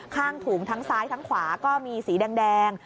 ข้างถุงทั้งซ้ายทั้งขวาก็มีสีแดง